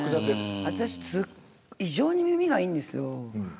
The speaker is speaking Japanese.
私、異常に耳がいいんです。